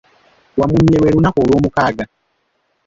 Wamunye lwe lunaku olwomukaaga.